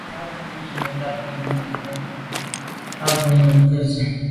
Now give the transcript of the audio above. A bwô ndù be lagte nukebwô yub à ba nu ke ze.